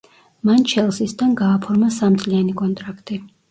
მან „ჩელსისთან“ გააფორმა სამწლიანი კონტრაქტი.